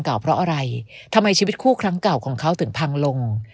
เพราะอะไรทำไมชีวิตคู่ครั้งเก่าของเขาถึงพังลง